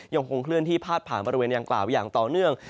ยังคงเคลื่อนที่พาดผ่านบริเวณดังกล่าวอย่างต่อเนื่อง